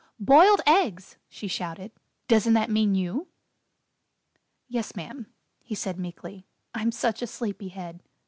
"Boiled Eggs!" she shouted. "Doesn't that mean you?" "Yes, ma'am," he said meekly; "I'm such a 'sleepy head!'